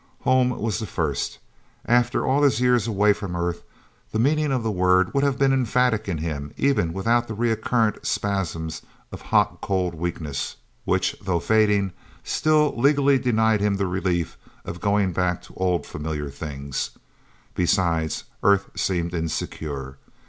Home was the first. After all his years away from Earth, the meaning of the word would have been emphatic in him, even without the recurrent spasms of hot cold weakness, which, though fading, still legally denied him the relief of going back to old familiar things. Besides, Earth seemed insecure.